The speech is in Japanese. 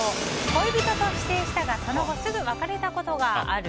恋人と帰省したが、その後すぐ別れたことがある？